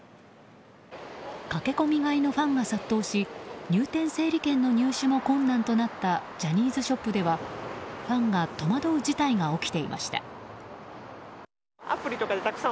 駆け込み買いのファンが殺到し入店整理券の入手も困難となったジャニーズショップではファンが戸惑う事態が起きていました。